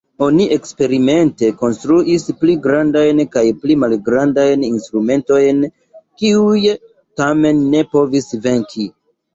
Oni eksperimente konstruis pli grandajn kaj pli malgrandajn instrumentojn, kiuj tamen ne povis venki.